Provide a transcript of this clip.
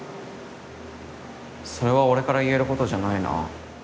それは俺から言えることじゃないな。